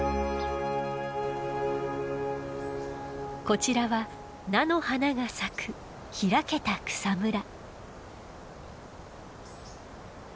こちらは菜の花が咲く開けた草むら。